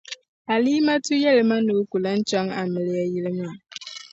Alimatu yεli ma ni o ku lahi chaŋ amiliya yili maa.